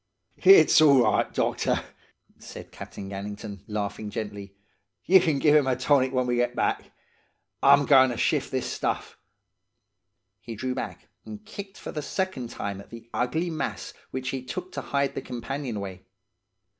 "'It's all right, doctor,' said Captain Gannington, laughing gently. 'Ye can give him a tonic when we get back. I'm goin' to shift this stuff.' He drew back, and kicked for the second time at the ugly mass which he took to hide the companionway.